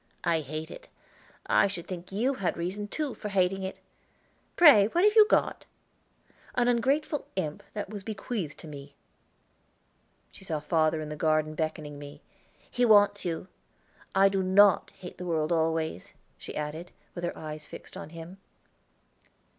I hate it. I should think you had reason, too, for hating it. Pray what have you got?" "An ungrateful imp that was bequeathed to me." She saw father in the garden beckoning me. "He wants you. I do not hate the world always," she added, with her eyes fixed on him.